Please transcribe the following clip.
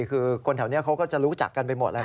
คือคนแถวนี้เขาก็จะรู้จักกันไปหมดแล้ว